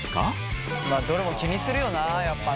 まあどれも気にするよなやっぱな。